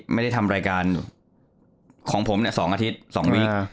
ไม่ได้ทำรายการของผม๒อาทิตย์๒วี